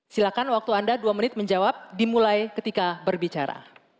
silakan waktu anda dua menit menjawab dimulai ketika berbicara